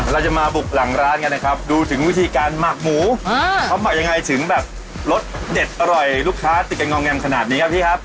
เราจะมาบุกหลังร้านกันนะครับดูถึงวิธีการหมักหมูเขาหมักยังไงถึงแบบรสเด็ดอร่อยลูกค้าติดกันงอแงมขนาดนี้ครับพี่ครับ